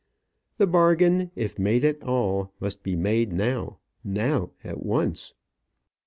The bargain, if made at all, must be made now now at once.